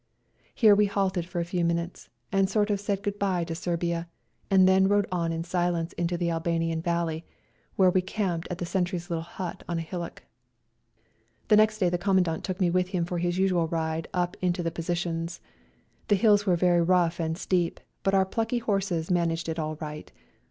Here we halted for a few minutes, and sort of said good bye to Serbia, and then rode on in silence into the Albanian valley, where we camped at a sentry's little hut on a hillock. The next day the Commandant took me with him for his usual ride up into the positions. The hills were very rough and steep, but our plucky horses managed it all right.